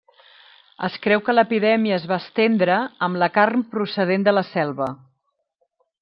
Es creu que l'epidèmia es va estendre amb la carn procedent de la selva.